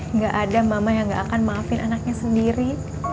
nggak ada mama yang gak akan maafin anaknya sendiri